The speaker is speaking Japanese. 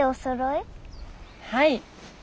はい。